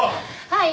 はい！